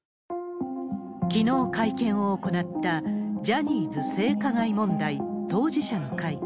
きのう会見を行った、ジャニーズ性加害問題当事者の会。